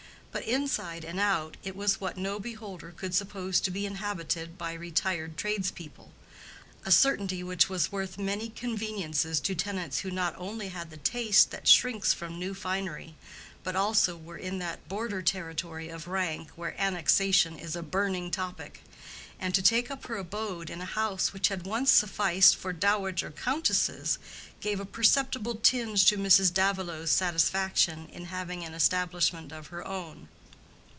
But inside and outside it was what no beholder could suppose to be inhabited by retired trades people: a certainty which was worth many conveniences to tenants who not only had the taste that shrinks from new finery, but also were in that border territory of rank where annexation is a burning topic: and to take up her abode in a house which had once sufficed for dowager countesses gave a perceptible tinge to Mrs. Davilow's satisfaction in having an establishment of her own.